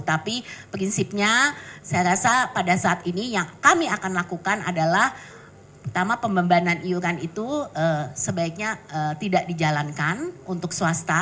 tapi prinsipnya saya rasa pada saat ini yang kami akan lakukan adalah pertama pembembanan iuran itu sebaiknya tidak dijalankan untuk swasta